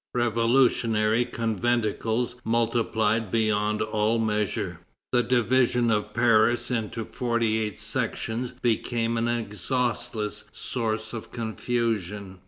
Revolutionary conventicles multiplied beyond all measure. The division of Paris into forty eight sections became an exhaustless source of confusion.